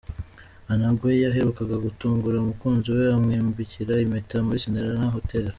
Anangwe yaherukaga gutungura umukunzi we amwambikira impeta muri Serena Hotel.